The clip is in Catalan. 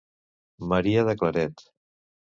Maria de Claret.